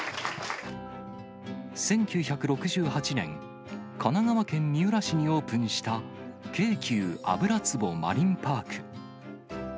１９６８年、神奈川県三浦市にオープンした京急油壺マリンパーク。